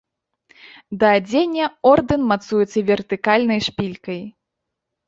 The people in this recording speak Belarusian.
Да адзення ордэн мацуецца вертыкальнай шпількай.